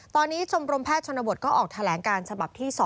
ตอนนี้ชมรมแพทย์ชนบทก็ออกแถลงการฉบับที่๒